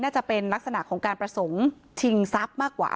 น่าจะเป็นลักษณะของการประสงค์ชิงทรัพย์มากกว่า